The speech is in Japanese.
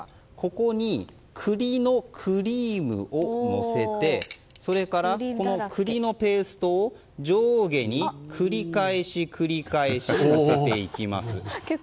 ここに栗のクリームをのせてそれから、栗のペーストを上下に繰り返し、繰り返しのせていきます。